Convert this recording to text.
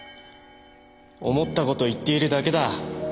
思ったことを言っているだけだ。